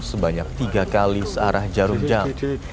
sebanyak tiga kali searah jarum jam